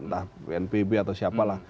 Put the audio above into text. entah npp atau siapalah